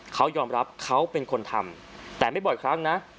เขายอมรับเขาเป็นคนทำแต่ไม่บ่อยครั้งนะ